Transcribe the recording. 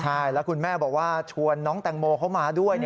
ใช่แล้วคุณแม่บอกว่าชวนน้องแตงโมเข้ามาด้วย